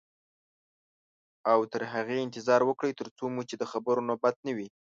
او تر هغې انتظار وکړئ تر څو مو چې د خبرو نوبت نه وي.